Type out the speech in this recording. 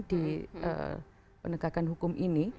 di penegakan hukum ini